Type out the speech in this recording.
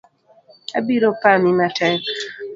Abiro pami matek.